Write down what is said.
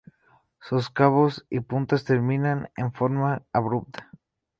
Sus cabos y puntas terminan en forma abrupta.